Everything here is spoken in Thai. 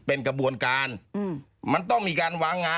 วันหนึ่งถ้าเรื่องมันแดง